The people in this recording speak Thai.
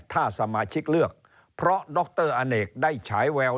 ถ้าสมาชิกเลือกเพราะดรอเนกได้ฉายแวว